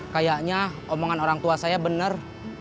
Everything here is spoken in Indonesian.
kayaknya omongan orang tua saya benar